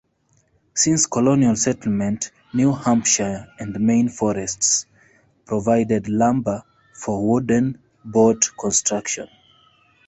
Since colonial settlement, New Hampshire and Maine forests provided lumber for wooden boat construction.